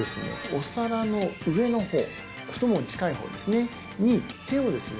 お皿の上の方太ももに近い方に手をですね